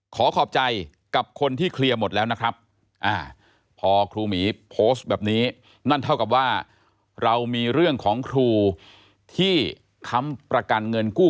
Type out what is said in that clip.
ยาท่าน้ำขาวไทยนครเพราะทุกการเดินทางของคุณจะมีแต่รอยยิ้ม